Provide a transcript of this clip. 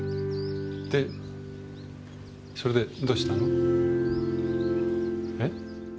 でそれでどうしたの？え？